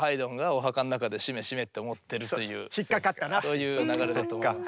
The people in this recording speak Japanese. そういう流れだと思います。